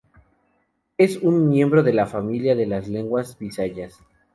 Es un miembro de la familia de las lenguas bisayas.